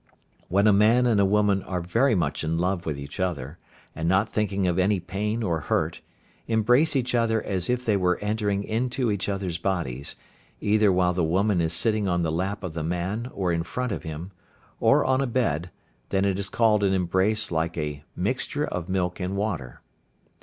When a man and a woman are very much in love with each other, and not thinking of any pain or hurt, embrace each other as if they were entering into each other's bodies, either while the woman is sitting on the lap of the man or in front of him, or on a bed, then it is called an embrace like a "mixture of milk and water."